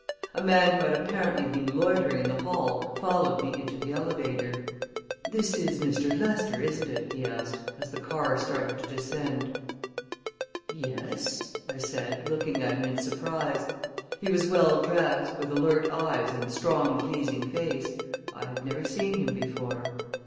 A man who had apparently been loitering in the hall followed me into the elevator. "This is Mr. Lester, isn't it?" he asked, as the car started to descend. "Yes," I said, looking at him in surprise. He was well dressed, with alert eyes and strong, pleasing face. I had never seen him before.